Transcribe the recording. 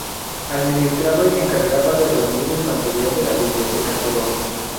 Administraba y se encarga de reunir el material de la Biblioteca Colón.